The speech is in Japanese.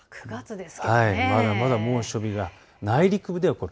まだまだ猛暑日が内陸では多い。